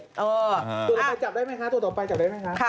ตัวต่อไปจับได้ไหมคะ